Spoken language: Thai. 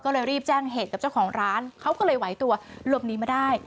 ก็เลยรีบแจ้งเหตุกับเจ้าของร้านเขาก็เลยไหวตัวหลบหนีมาได้